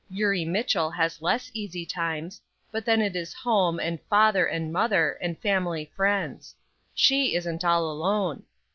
Eurie Mitchell has less easy times; but then it is home, and father, and mother, and family friends. She isn't all alone.